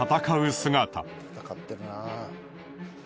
戦ってるなぁ。